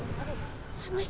あの人